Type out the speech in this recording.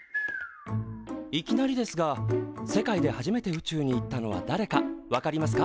いきなりですが世界で初めて宇宙に行ったのはだれかわかりますか？